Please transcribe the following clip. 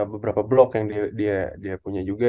beberapa blok yang dia punya juga